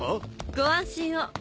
ご安心を。